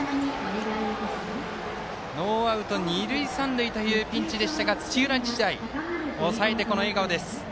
ノーアウト、二塁三塁というピンチでしたが土浦日大、抑えてこの笑顔です。